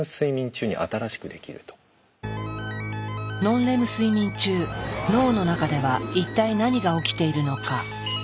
ノンレム睡眠中脳の中では一体何が起きているのか。